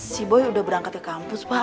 si boy udah berangkat ke kampus pak